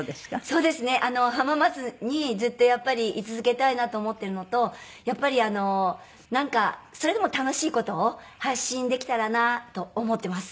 そうですね浜松にずっと居続けたいなと思ってるのとやっぱりなんかそれでも楽しい事を発信できたらなと思ってます